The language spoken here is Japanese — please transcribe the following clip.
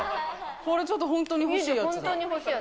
これちょっと、本当に欲しいやつだ。